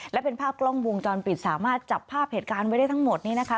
และเป็นภาพกล้องวงจรปิดสามารถจับภาพเหตุการณ์ไว้ได้ทั้งหมดนี้นะคะ